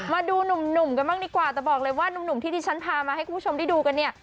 มาดูหนุ่มกันบ้างดีกว่าแต่บอกเลยว่านุ่มที่ที่ฉันพามาให้คุณผู้ชมได้ดูกันเนี่ย